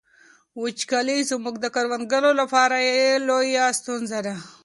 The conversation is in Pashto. وچکالي زموږ د کروندګرو لپاره لویه ستونزه ده.